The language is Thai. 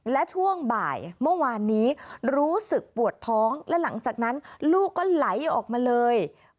และช่วงบ่ายเมื่อวานนี้รู้สึกปวดท้องและหลังจากนั้นลูกก็ไหลออกมาเลย